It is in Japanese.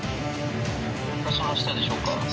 「通過しましたでしょうか？」